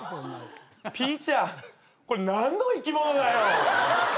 ピーちゃんこれ何の生き物だよ？